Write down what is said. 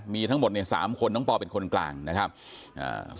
มีทั้งหมดเนี่ยสามคนน้องปอเป็นคนกลางนะครับอ่า